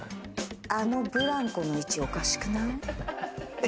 あのブランコの位置おかしくない？